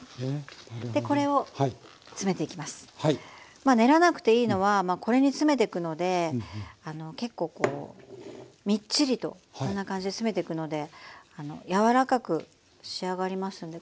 まあ練らなくていいのはこれに詰めてくので結構こうみっちりとこんな感じで詰めていくのであの柔らかく仕上がりますんでこう